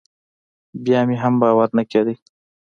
بيا مې هم باور نه کېده.